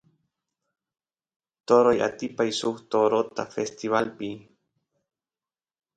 toroy atipay suk torota festivalpi